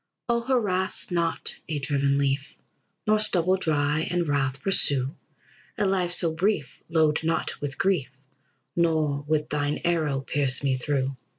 O harass not a driven leaf, Nor stubble dry in wrath pursue; A life so brief load not with grief, Nor with thine arrow pierce me through.